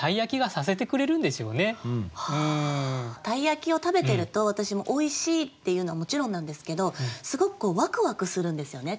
鯛焼を食べてると私もおいしいっていうのはもちろんなんですけどすごくワクワクするんですよね。